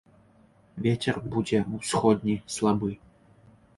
Вецер будзе ўсходні слабы.